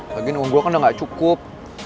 lagian uang gue kan udah gak cukup